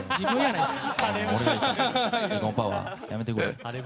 やめてくれ！